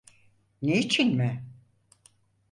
Ne için mi?